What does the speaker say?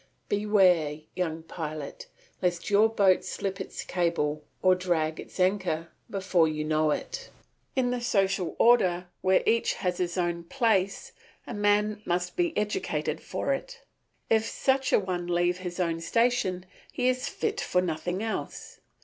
Beware, young pilot, lest your boat slip its cable or drag its anchor before you know it. In the social order where each has his own place a man must be educated for it. If such a one leave his own station he is fit for nothing else.